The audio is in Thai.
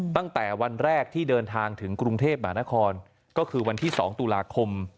ตั้งแต่วันแรกที่เดินทางถึงกรุงเทพหมานครก็คือวันที่๒ตุลาคม